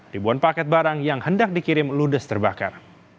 ribuan paket barang yang hendak dikirim ludes terbakar